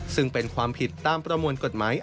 ซึ่งเป็นความผิดตามประมวลกฎหมาย